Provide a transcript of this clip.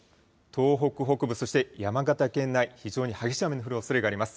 東北北部、そして山形県内、非常に激しい雨の降るおそれがあります。